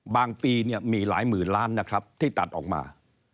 ปีเนี่ยมีหลายหมื่นล้านนะครับที่ตัดออกมา